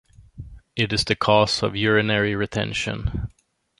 It is a cause of urinary retention.